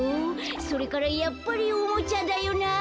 それからやっぱりおもちゃだよな」。